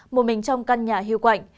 một mình trong căn nhà hiêu quạnh